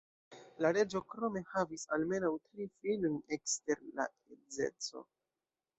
La reĝo krome havis almenaŭ tri filojn ekster la edzeco.